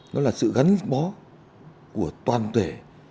nó là sự gắn bó của toàn thể